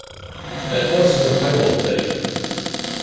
That horse is a piebald, Teddy.